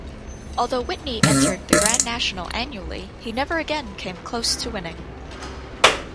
Although Whitney entered the Grand National annually, he never again came close to winning.